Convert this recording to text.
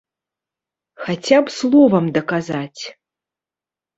Хаця б словам даказаць!